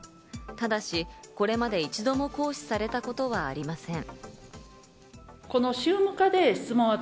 ただしこれまで一度も行使されたことはありません。